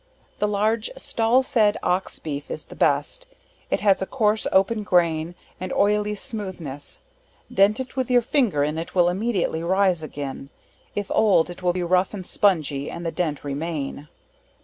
The large stall fed ox beef is the best, it has a coarse open grain, and oily smoothness; dent it with your finger and it will immediately rise again; if old, it will be rough and spungy, and the dent remain.